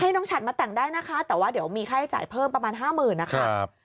น้องฉัดมาแต่งได้นะคะแต่ว่าเดี๋ยวมีค่าใช้จ่ายเพิ่มประมาณห้าหมื่นนะคะ